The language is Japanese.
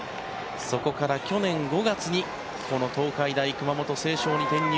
そこから去年５月にこの東海大熊本星翔に転入。